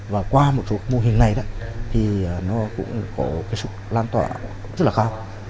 và qua một số mô hình này thì nó cũng có sức lan tỏa rất là cao